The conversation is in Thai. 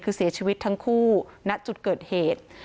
คือเสียชีวิตทั้งคู่ณจุดเกิดเหตุ